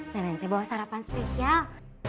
nanti bawa sarapan spesial